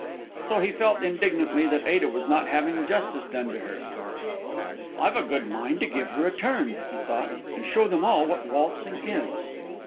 So he felt indignantly that Ada was not having justice done to her. "I've a good mind to give her a turn," he thought, "and show them all what waltzing is!"